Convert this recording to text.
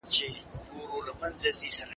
لکه څنګه چي په حضر کي د خپلي شپې هبه کولای سي.